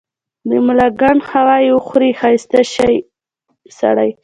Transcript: د ملاکنډ هوا چي وخوري ښايسته شی سړے